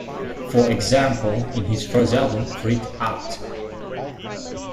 For example, in his first album, Freak Out!